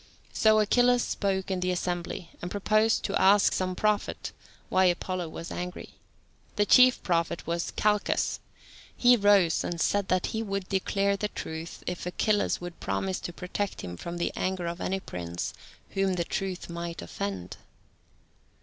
So Achilles spoke in the assembly, and proposed to ask some prophet why Apollo was angry. The chief prophet was Calchas. He rose and said that he would declare the truth if Achilles would promise to protect him from the anger of any prince whom the truth might offend.